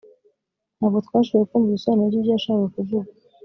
ntabwo twashoboye kumva ibisobanuro byibyo yashakaga kuvuga